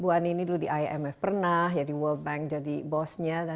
bu ani ini dulu di imf pernah ya di world bank jadi bosnya